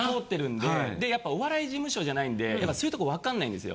でやっぱお笑い事務所じゃないんでそういうとこ分かんないんですよ。